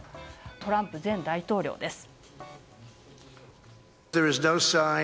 トランプ前大統領です。